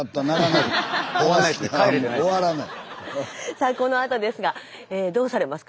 さあこのあとですがどうされますか？